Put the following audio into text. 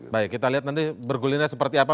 baik kita lihat nanti bergulirnya seperti apa